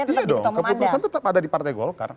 iya dong keputusan tetap ada di partai golkar